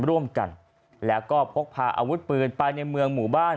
ร่วมกันแล้วก็พกพาอาวุธปืนไปในเมืองหมู่บ้าน